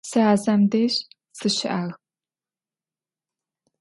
Сэ Ӏазэм дэжь сыщыӀагъ.